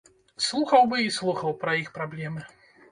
Слухаў бы і слухаў пра іх праблемы.